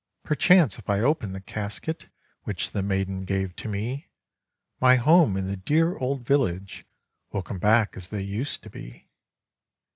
"Perchance if I open the casket Which the maiden gave to me, My home and the dear old village Will come back as they used to be."